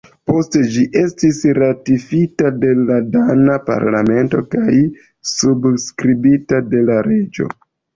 Poste ĝi estis ratifita de la dana parlamento kaj subskribita de la reĝo.